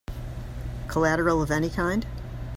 Collateral of any kind?